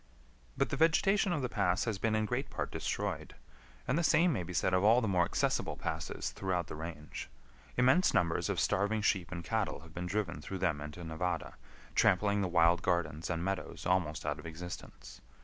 But the vegetation of the pass has been in great part destroyed, and the same may be said of all the more accessible passes throughout the range. Immense numbers of starving sheep and cattle have been driven through them into Nevada, trampling the wild gardens and meadows almost out of existence.